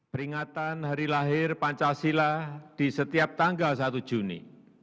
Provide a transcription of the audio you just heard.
peringatan hari lahir pancasila di setiap tanggal satu juni